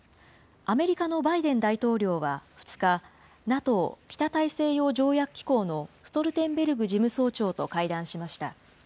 アメリカのバイデン大統領は２日、ＮＡＴＯ・北大西洋条約機構のストルテンベルグ事務総長と会談しました。